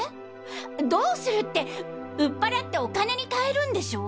どうするって売っぱらってお金にかえるんでしょ？